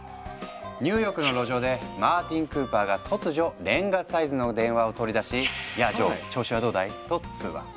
ニューヨークの路上でマーティン・クーパーが突如レンガサイズの電話を取り出し「やあジョー調子はどうだい？」と通話。